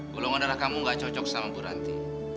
gulung darah kamu gak cocok sama bu ranti